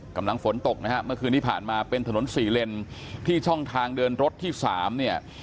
กำลังฝนตกนะฮะเมื่อคืนที่ผ่านมาเป็นถนนสี่เลนที่ช่องทางเดินรถที่สามเนี่ย